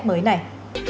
thành phố hồ chí minh